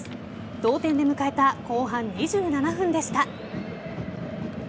同点で迎えた後半２７分でした。